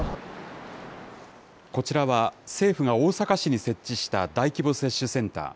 こちらは政府が大阪市に設置した大規模接種センター。